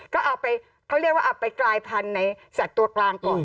ก็เอาไปเขาเรียกว่าเอาไปกลายพันธุ์ในสัตว์ตัวกลางก่อน